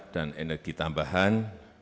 dan energi tambahan